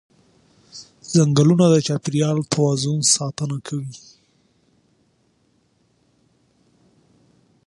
ځنګلونه د چاپېریال د توازن ساتنه کوي